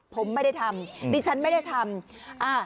ผมไม่ได้ทำผมไม่ได้ทำ